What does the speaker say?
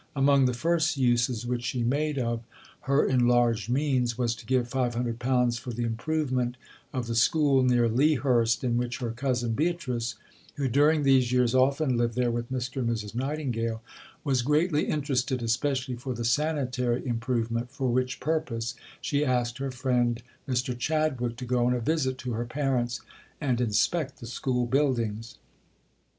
Among the first uses which she made of her enlarged means was to give £500 for the improvement of the school near Lea Hurst, in which her cousin Beatrice (who during these years often lived there with Mr. and Mrs. Nightingale) was greatly interested, especially for the sanitary improvement, for which purpose she asked her friend Mr. Chadwick to go on a visit to her parents and inspect the school buildings.